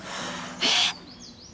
・えっ！？